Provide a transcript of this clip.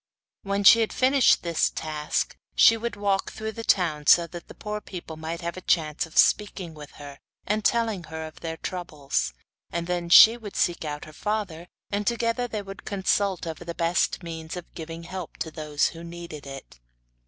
When she had finished this task she would take a walk through the town, so that the poor people might have a chance of speaking with her, and telling her of their troubles; and then she would seek out her father, and together they would consult over the best means of giving help to those who needed it.